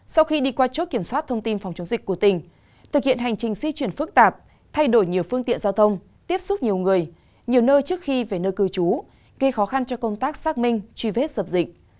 sau khi đi qua chốt kiểm soát thông tin phòng chống dịch của tỉnh thực hiện hành trình di chuyển phức tạp thay đổi nhiều phương tiện giao thông tiếp xúc nhiều người nhiều nơi trước khi về nơi cư trú gây khó khăn cho công tác xác minh truy vết dập dịch